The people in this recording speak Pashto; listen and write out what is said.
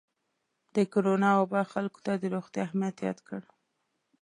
د کرونا وبا خلکو ته د روغتیا اهمیت یاد کړ.